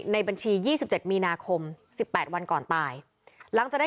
และธนาคันก็อนุมัติ